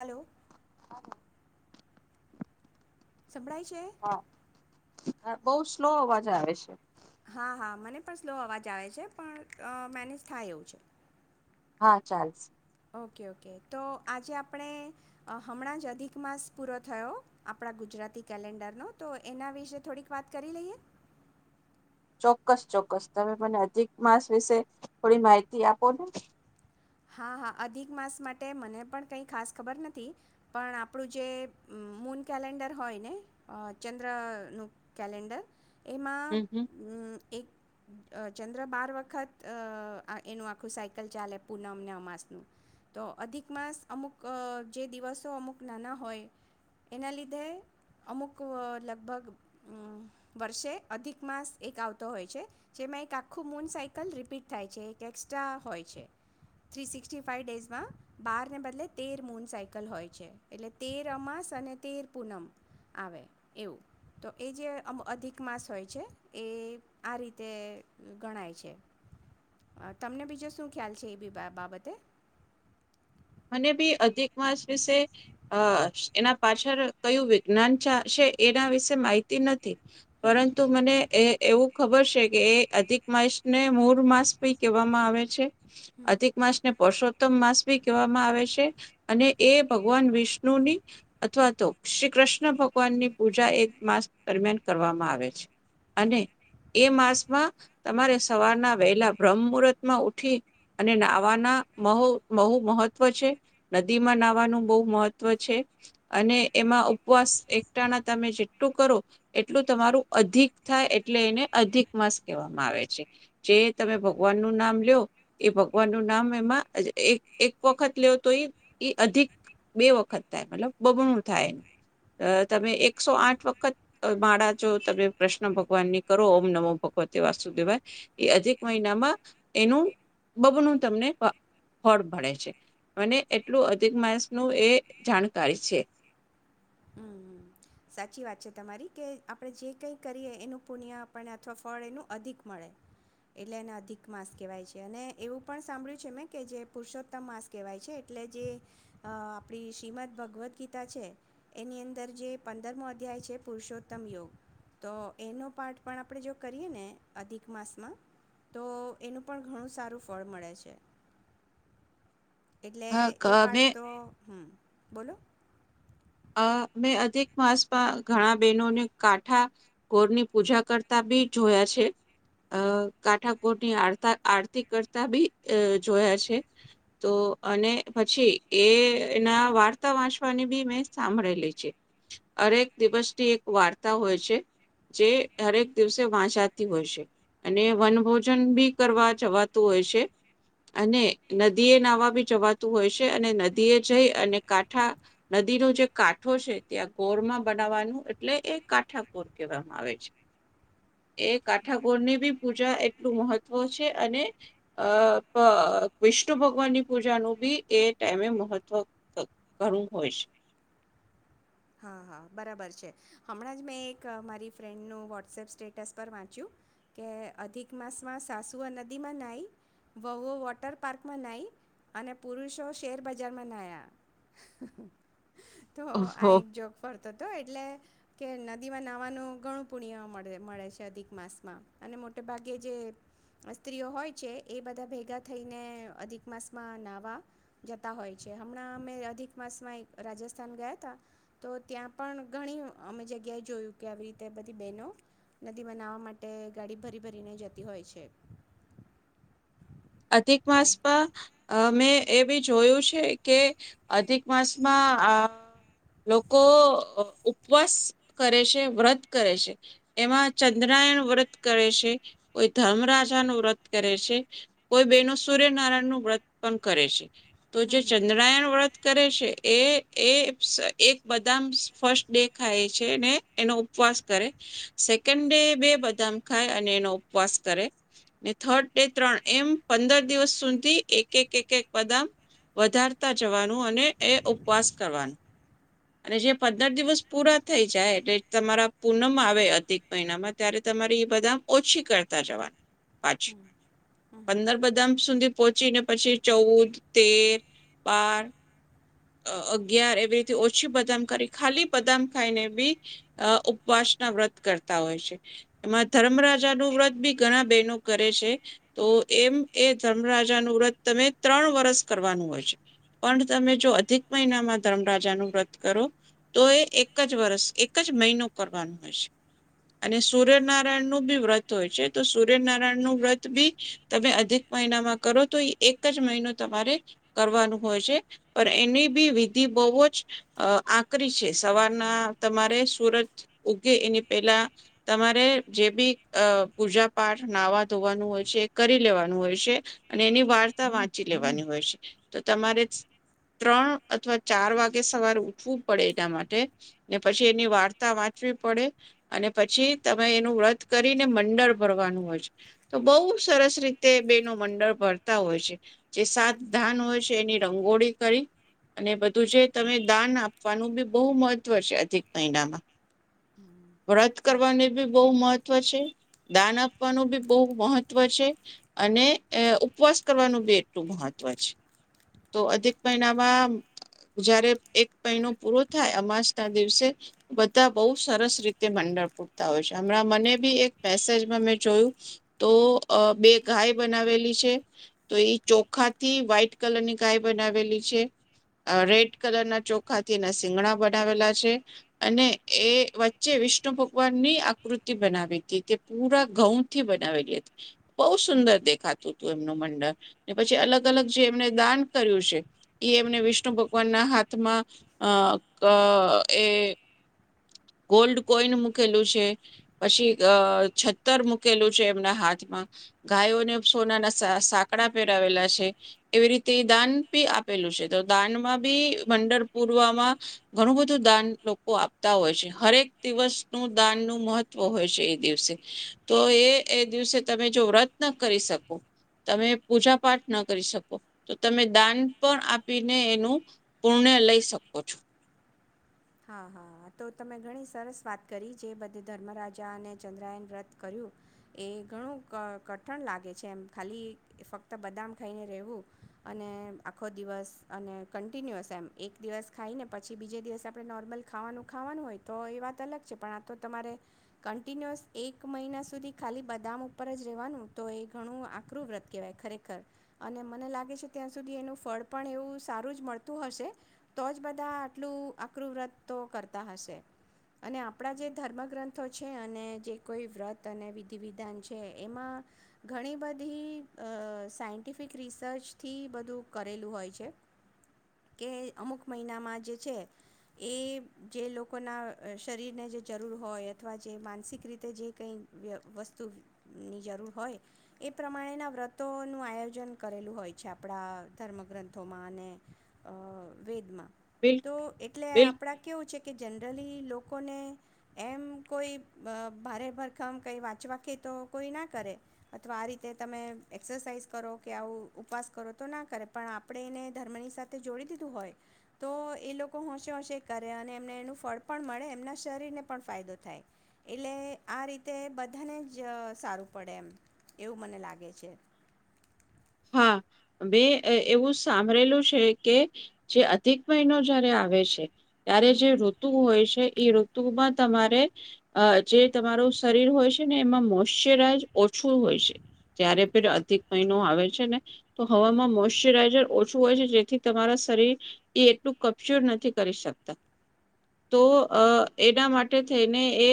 Hello. સંભળાય છે. હા બહુ સ્લો અવાજ આવે છે. હા હા મને પણ સ્લો અવાજ આવે છે પણ અ મેનેજ થાય એવું છે. હા ચાલસે. ઓકે ઓકે તો આજે આપણે હમણાં જ અધિક માસ પૂરો થયો આપણા ગુજરાતી કેલેન્ડરનો. તો એના વિશે થોડીક વાત કરી લઈએ? ચોક્કસ ચોક્કસ, તમે મને અધિક માસ વિશે થોડી માહિતી આપો ને. હા હા, અધિક માસ માટે મને પણ કઈ ખાસ ખબર નથી. પણ આપણું જે મૂન કેલેન્ડર હોય ને ચંદ્રનું કેલેન્ડર એમાં હમ હમ ઉમ એક અ ચંદ્ર બાર વખત અ આ એનું આખું સાયકલ ચાલે પૂનમને અમાસનું. તો અધિક માસ અમુક અ જે દિવસો અમુક નાના હોય એના લીધે અમુક લગભગ ઉમ વર્ષે અધિક માસ એક આવતો હોય છે. જેમાં એક આખું મૂન સાયકલ રિપીટ થાય છે એક એક્સ્ટ્રા હોય છે. થ્રી સિક્સટી ફાઈવ ડેઝમાં બાર ને બદલે તેર મૂન સાયકલ હોય છે એટલે તેર અમાસ અને તેર પૂનમ આવે એવું તો એ જે અમ અધિક માસ હોય છે એ આ રીતે ગણાય છે. તમને બીજું શું ખ્યાલ છે એબી બા બાબતે. મને બી અધિક માસ વિશે અ એના પાછળ કયું વિજ્ઞાન ચાલશે એના વિશે માહિતી નથી. હમ પરંતુ મને એ એવું ખબર છે કે એ અધિક માસને મોર માસ ભી કહેવામાં આવે છે. હમ હમ અધિક માસને પરસો તમ માસ ભી કેવામાં આવે છે અને એ ભગવાન વિષ્ણુની અથવા તો શ્રી કૃષ્ણ ભગવાન ની પૂજા એક માસ દરમિયાન કરવામાં આવે છે અને એ માસમાં તમારે સવારના વહેલા બ્રહ્મમુરત માં ઉઠી અને નાવાના મહો મહુ મહત્વ છે, નદીમાં નાહવાનું બહુ મહત્વ છે અને એમાં ઉપવાસ એકટાના તમે જેટલું કરો એટલું તમારું અધિક થાય એટલે એને અધિક માસ કહેવામાં આવે છે. જે તમે ભગવાનનું નામ લ્યો એ ભગવાનનું નામ એમાં જ એક એક વખત લ્યો તો ઈ ઈ અધિક બે વખત થાય મતલબ બમણું થાય. અ તમે એકસો આઠ વખત માળા જો તમે કૃષ્ણ ભગવાનની કરો ઓમ નમો ભગવતે વાસુદેવાય. એ અધિક મહિનામાં એનું બમનુ તમને ફ ફળ મલે છે. મને એટલું અધિક માણસ નું એ જાણકારી છે. હમ. સાચી વાત છે તમારી કે આપણે જે કંઈ કરીએ એનું પુણ્ય આપણે અથવા ફળ એનું અધિક મળે એટલે એને અધિક માસ કહેવાય છે અને એવું પણ સાંભળ્યું છે મેં કે જે પુરુષોત્તમ માસ કહેવાય છે. એટલે જે અ આપણી શ્રીમદ ભગવદ્ ગીતા છે એની અંદર જે પંદરમો અધ્યાય છે પુરુષોત્તમ યોગ. તો એનો પાઠ પણ આપણે જો કરીએ ને અધિક માસમાં તો એનું પણ ઘણું સારું ફળ મળે છે. એટલે એ હા પાઠ મેં તો, હમ્મ. બોલો. અ મેં અધિક માસમાં ઘણા બહેનોને કાંઠા કોરની પૂજા કરતા બી જોયા છે. અ કાંઠા કોરની આરતા આરતી કરતા બી અ જોયા છે તો અને પછી એ એના વાર્તા વાંચવાની બી મેં સાંભળેલી છે. હરેક દિવસની એક વાર્તા હોય છે જે હરેક દિવસે વાચાતી હોય છે અને વન ભોજન બી કરવા જવાતું હોય છે અને નદી એ નાહવા બી જવાતું હોય છે અને નદી એ જઈ અને કાંઠા નદીનું જે કાઠો છે ત્યાં ગોરમાં બનાવવાનું એટલે એ કાઠાકોર કહેવામાં આવે છે. એ કાઠાકોરની બી પૂજા એટલું મહત્ત્વ છે અને અ પ વિષ્ણુ ભગવાનની પૂજાનું બી એ ટાઈમે મહત્વ ક ઘણુ હોય છે. હા હા બરાબર છે. હમણાં જ મેં એક મારી ફ્રેન્ડનું વોટ્સએપ સ્ટેટસ પર વાંચ્યું કે અધિક માસમાં સાસુઓ નદીમાં નાઈ, વહુઓ વોટર પાર્કમાં નાઈ અને પુરુષો શેર બજારમાં નાયા. તો આ ઓહો એક ફરતો હતો એટલે કે નદીમાં નાહવાનું ઘણું પુણ્ય મળે મળે છે અધિક માસમાં અને મોટે ભાગે જે સ્ત્રીઓ હોય છે એ બધા ભેગા થઈને અધિક માસમાં નાવા જતા હોય છે હમણાં મે અધિક માસમાં એક રાજસ્થાન ગયા તા તો ત્યાં પણ ઘણી અમે જગ્યાએ જોયું કે આવી રીતે બધી બહેનો નદીમા નાવા માટે ગાડી ભરી ભરીને જતી હોય છે. અધિક એ માસમા અ મેં એ બી જોયું છે કે અધિક માસમાં આ લોકો અ ઉ ઉપવાસ કરે છે, વ્રત કરે છે એમાં ચંદ્રયાણ વ્રત કરે છે, કોઈ ધર્મરાજા નું વ્રત કરે છે કોઈ બહેનો સૂર્યનારાયણ નું વ્રત પણ કરે છે. તો જે હમ હમ ચંદ્રયાન વ્રત કરે છે એ એ એક બદામ ફર્સ્ટ ડે ખાય છે ને એનો ઉપવાસ કરે, સેકન્ડ ડે બે બદામ ખાય અને એનો ઉપવાસ કરે ને થર્ડ ડે ત્રણ એમ પંદર દિવસ સુધી એક એક એક એક બદામ વધારતા જવાનું અને એ ઉપવાસ કરવાનું. અને જે પંદર દિવસ પૂરા થઈ જાય એટલે તમારા પૂનમ આવે અધિક મહિનામાં ત્યારે તમારી એ બધામ ઓછી કરતા જવાનું હમ પાછું. હમ પંદર બદામ સુધી પહોચીને પછી ચૌદ, તેર, બાર, અ અગિયાર એવીથી ઓછ છી બદામ કરી ખાલી બદામ ખાઈને બી અ ઉપવાસ ના વ્રત કરતા હોય છે. એમાં ધર્મ રાજા નું વ્રત બી ઘણા બહેનો કરે છે. તો એમ એ ધર્મ રાજાનું વ્રત તમે ત્રણ વરષ કરવાનું હોય છે. પણ તમે જો અધિક મહિનામાં ધર્મ રાજાનું વ્રત કરો તો એ એક જ વર્ષ એક જ મહિનો કરવાનું હોય છે અને સૂર્યનારાયણનું બી વ્રત હોય છે તો સૂર્યનારાયણનું વ્રત બી તમે અધિક મહિનામાં કરો તો એ એક જ મહિનો તમારે કરવાનું હોય છે. પણ એની બી વિધિ બહુ જ અ આકરી છે. સવારના તમારે સુરત ઉગે એની પહેલા તમારે જે બી અ પૂજા પાઠ, નાહવા ધોવાનું હોય છે કરી લેવાનું હોય છે અને એની વાર્તા વાંચી લેવાની હોય છે તો તમારે ત્રણ અથવા ચાર વાગે સવારે ઉ ઠું પડે એના માટે ને પછી એની વાર્તા વાંચવી પડે અને પછી તમે એનું વ્રત કરીને મંડળ ભરવાનું હોય છે. તો બહુ સરસ રીતે બેનો મંડળ ભરતા હોય છે જે સાત દાન હોય છે એની રંગોળી કરી અને બધું જે તમે દાન આ આપવાનું બી બહુ મહત્વ છે અધિક મહિનામાં. હમ વ્રત સાચી કરવાની બી બહુ મહત્વ દાન આપવાનું બી બહુ મહત્વ છે, અને ઉપવાસ કરવાનું બી એટલું મહત્વ છે, તો અધિક મહિનામાં જારે એક પૂરો થાય અમાસ ના દિવસે, બધા બઉુ સરસ રીતે મંડળ પૂરતા હોય છે, હમણાં મને બી એક મેસેજમાં મેં જોયું તો બે ગાય બનાવેલી છે, તો એ ચોખાથી વ્હાઈટ કલર ની ગાય બનાવેલી છે, રેડ કલર ના ચોખા ાથી એના સિંગણા બનાવેલા છે, અને એ વચ્ચે વિષ્ણુ ભગવાનની આકૃતિ બનાવી હતી તે પૂરા ઘઉં થી બનાવેલી હતી, બહુ સુંદર દેખાતું હતું એમનું મંડળ, ને પછી અલગ અલગ જે એમને દાન કર્યું છે, એ એમને વિષ્ણુ ભગવાન ના હાથમાં અ અ એ ગોલ્ડ કોઈન મૂકેલું છે, પછી છતર મૂકેલું છે એમના હાથમાં, ગાયોને સોનાના સાકડા પહેરાવેલા છે, એવી રીતે તે દાન બી આપેલું છે. તો દાન માં બી મંડર પૂરમાં, ઘણું બધું દાન લોકો આપતા હોય છે હરેક દિવસ નું દાન નું મહત્વ હોય છે એ દિવસે, તો એ એ દિવસે તમે જો વ્રત ન કરી શકો, તમે પૂજા પાઠ ના કરી શકો, તો તમે દાન પણ આપીને એનું પુણ્ય લઈ સકો છો. હા હા તો તમે ઘણી સરસ વાત કરી જે બધે ધર્મ રાજા અને ચંદ્રાયન વ્રત કર્યું, એ ઘણું કઠણ લાગે છે એમ ખાલી ફક્ત બદામ ખાઈને રહેવું, અને આખો દિવસ અને કન્ટિન્યુઅસ એમ એક દિવસ ખાઈ ને પછી બીજે દિવસ આપણે નોર્મલ ખાવાનું ખાવાનું હોય તો એ વાત અલગ છે પણ આ તો તમારે, કન્ટિન્યુઅસ એક મહિના સુધી ખાલી બદામ ઉપર જ રહેવાનું તો એ ઘણું આકરું વ્રત કહેવાય ખરેખર, અને મને લાગે છે ત્યાં સુધી એનું ફળ પણ એવું સારું જ મળતું હશે, તો જ બધા આટલું આકૃવ્રત તો કરતા હશે, અને આપણા જે ધર્મગ્રંથો છે અને જે કોઈ વ્રત અને વિધિ વિધાન છે એમાં, ઘણી બધી સાયન્ટિફિક રિસર્ચથી બધું કરેલું હોય છે, કે અમુક મહિનામાં જે છે. એ જે લોકોના શરીરને જે જરૂર હોય અથવા જે માનસિક રીતે જે કઈ વસ્તુની જરૂર હોય, એ પ્રમાણેના વ્રતો નું આયોજન કરેલું હોય છે આપણા ધર્મ ગ્રંથોમાં અને અ વેદમાં. બિલ તો એટલે બિલકુલ આપડા કેવું છે કે જનરલી લોકોને, એમ કોઈ ભારે ભરખમ કંઈ વાંચવાખે તો કોઈ ના કરે, અથવા આ રીતે તમે એક્સરસાાઈઝ કરો કે આવું ઉપવાસ કરો તો ના કરે પણ આપણે એને ધર્મની સાથે જોડી દીધું હોય, તો એ લોકો લોકો હોંશે હોંશે કરે અને એમને એનું ફળ પણ મળે એમના શરીરને પણ ફાયદો થાય, એટલે આ રીતે બધાને જ સારું પડે એમ, એવું મને લાગે છે. હા, મે એવું સાંભળેલું છે કે જે અધિક મહિનો જયારે આવે છે. ત્યારે હમ જે ઋતુ હોય છે. એ ઋતુમાં તમારે, અ જે તમારું શરીર હોય છે ને એમાં મોશ્ચરાઈઝ ઓછું હોય છે. જ્યારે પણ હમ અધિક મહિનો આવે છે. છે ને. તો હમ હવામાં મોશચરાઈઝર ઓછું હોય છે જેથી તમારા શરીર, એ એટલું કબજર નથી કરી શકતા, તો એના માટે થઈને એ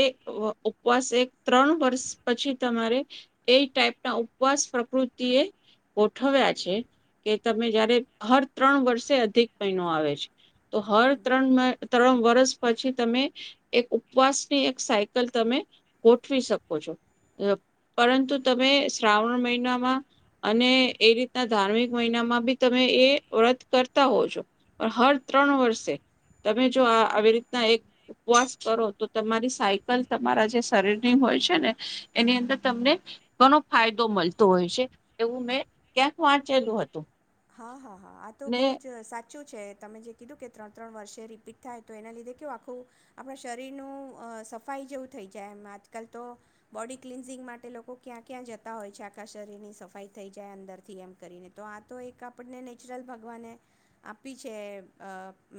ઉપવાસ એક ત્રણ વર્ષ પછી તમારે, એ ટાઈપ ના ઉપવાસ પ્રકૃતિએ ગોઠવ્યા છે, કે તમે જયારે હર ત્રણ વર્ષે અધિક પિનો આવે છે. તો હર હમ ત્રણ ત્રણ વર્ષ પછી તમે, એક ઉપવાસની એક સાયકલ તમે ગોઠવી શકો છો, પરંતુ તમે શ્રાવણ મહિનામાં અને એ રીતના ધાર્મિક મહિનામાં બી તમે એ વ્રત કરતા હોવ છો, પણ હર ત્રણ વર્ષે, તમે જો આ આવી રીતના એક ઉપવાસ કરો તો તમારી સાયકલ તમારા જે શરીરની હોય છે ને. એની હમ અંદર તમને ઘણો ફાયદો મળતો હોય છે. એવું મેં ક્યાંક વાંચેલું હતું. હા હા. હા આ તો ને બહુ જ સાચ સાચું છે તમે જે કીધું કે ત્રણ ત્રણ વર્ષે રિપીટ થાય તો એના લીધે કું આખું, આપણા શરીરનું સફાઈ જેવું થઈ જાય એમ આજકાલ તો, બોડી ક્લિન્ઝિંગ માટે લોકો ક્યાં ક્યાં જતા હોય છે આખા શરીરની સફાઈ થઈ જાય અંદરથી એમ કરીને તો આ તો એક આપણને નેચરલ ભગવાને, આપી છે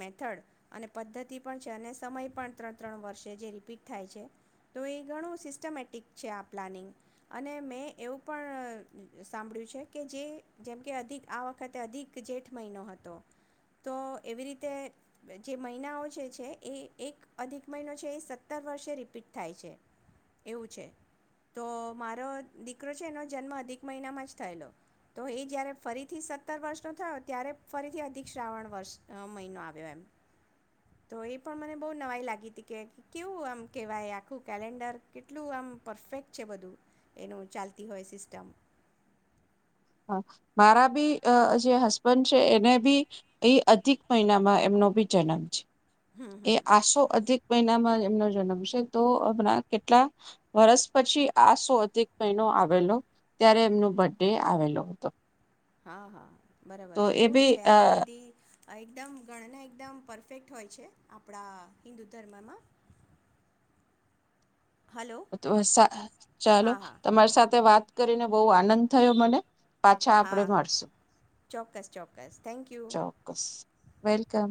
મેથડ અને પદ્ધતિ પણ છે અને સમય પણ ત્રણ ત્રણ વર્ષે જે રિપીટ થાય છે, તો એ ઘણું સિસ્ટમેટિક છે આ પ્લાનિંગ, અને મેં એવું પણ સાંભળ્યું છે કે જે જેમકે અધિક આ વખતે અધિક જેઠ મહિનો હતો, તો એવી રીતે જે મહિનાઓ જે છે એ એક અધિક મહિનો છે એ સત્તર વર્ષે રિપીટ થાય છે, એવું છે, તો મારો દીકરો છે એનો જન્મ અધિક મહિનામાં જ થયેલો, તો એ જ્યારે ફરી થી સત્તર વર્ષનો થયો ત્યારે ફરીથી અધિક શ્રાવણ વર્ષ મહિનો આવ્યો એમ, તો એ પણ મને બહ નવાઈ લાગી હતી કે, કેવું આમ કેહેવાય આખું કેલેન્ડર કેટલું આમ પરફેક્ટ છે બધું, એનું ચાલતી હોય સિસ્ટમ. મારા બી જે હસબન્ડ છે એને બી, એ અધિક મહિનામાં એમનો બી જન્મ છે. હમ એ હમ આસો અધિક મહિનામાં એમનો જન્મ છે તો હમણા કેટલા વર્ષ પછી આ સો અધિક મહિનો આવેલો ત્યારે એમનો બર્થ ડે આવેલો હતો. હા હા બરાબર તો છે એ એવું બી છે અ આ બધી એકદમ ગણના એકદમ પરફેક્ટ હોય છે આપણા હિન્દુ ધર્મમાં હલો ચાલો હા હા તમારી સાથે વાત કરીને બહુ આનંદ થયો મને. પાછા આપડે હા મળશું. ચોક્કસ ચોક્કસ થેન્ક યુ ચોક્કસ. વેલકમ.